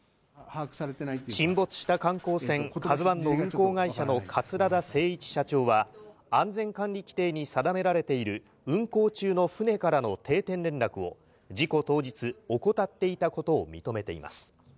沈没した観光船、カズワンの運航会社の桂田精一社長は、安全管理規程に定められている運航中の船からの定点連絡を、事故当日、怠っていたことを認めています。